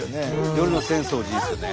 夜の浅草寺いいですよね。